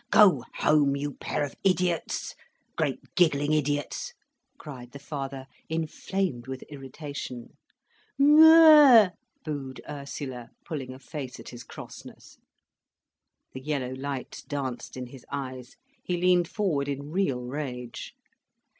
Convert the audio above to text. "Go home, you pair of idiots, great giggling idiots!" cried the father inflamed with irritation. "Mm m er!" booed Ursula, pulling a face at his crossness. The yellow lights danced in his eyes, he leaned forward in real rage.